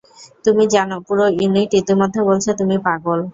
তুমি জানো, পুরো ইউনিট ইতিমধ্যে বলছে তুমি পাগল।